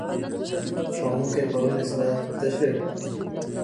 ښوونکی پرون اصلاح تشریح کړه.